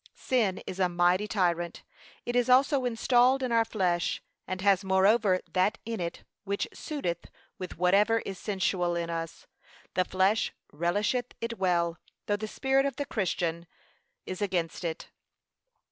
Sin is a mighty tyrant; it is also installed in our flesh, and has moreover that in it which suiteth with whatever is sensual in us. The flesh relisheth it well, though the spirit of the Christian is against it.